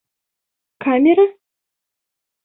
Камера?